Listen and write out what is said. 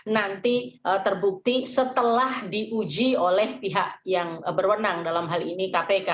nanti terbukti setelah diuji oleh pihak yang berwenang dalam hal ini kpk